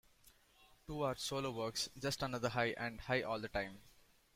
Two are solo works: "Just Another High" and "High All The Time".